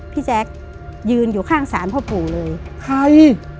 พี่แจ๊คยืนอยู่ข้างศาลพ่อปู่เลยใคร